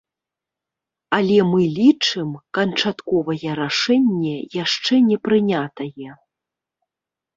Але мы лічым, канчатковае рашэнне яшчэ не прынятае.